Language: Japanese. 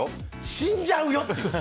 死んじゃうよって。